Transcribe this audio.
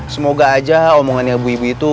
semoga aja omongannya ibu ibu itu